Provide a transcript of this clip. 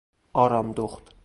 آرامدخت